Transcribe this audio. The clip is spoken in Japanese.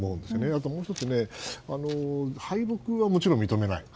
あともう１つ敗北はもちろん認めない。